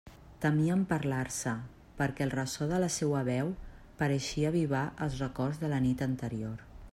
Temien parlar-se, perquè el ressò de la seua veu pareixia avivar els records de la nit anterior.